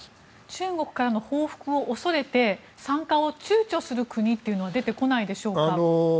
中国からの報復を恐れて参加をちゅうちょする国は出てこないでしょうか？